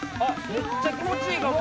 めっちゃ気持ちいいかも。